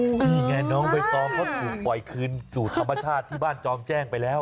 นี่ไงน้องใบตองเขาถูกปล่อยคืนสู่ธรรมชาติที่บ้านจอมแจ้งไปแล้ว